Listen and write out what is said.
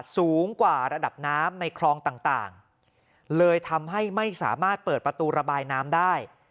สูงกว่าระดับน้ำในคลองต่างเลยทำให้ไม่สามารถเปิดประตูระบายน้ำได้